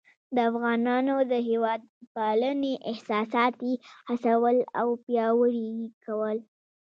د افغانانو د هیواد پالنې احساسات یې هڅول او پیاوړي یې کول.